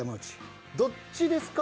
どっちですか？